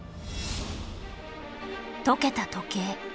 溶けた時計